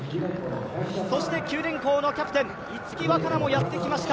そして九電工のキャプテン逸木和香菜もやってきました。